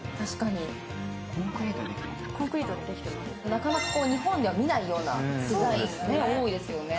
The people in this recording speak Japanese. なかなか日本では見ないようなデザインが多いですよね。